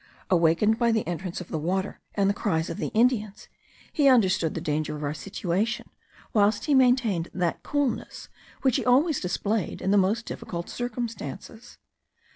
Awakened by the entrance of the water and the cries of the Indians, he understood the danger of our situation, whilst he maintained that coolness which he always displayed in the most difficult circumstances.